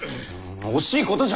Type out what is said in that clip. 惜しいことじゃ！